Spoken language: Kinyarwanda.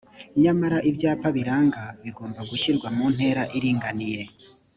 nyamara ibyapa biranga bigomba gushyirwa mu ntera iringaniye